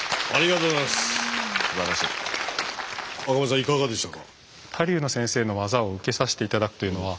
いかがでしたか？